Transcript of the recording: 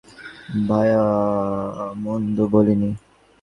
ভায়া, মন্দ বল নি।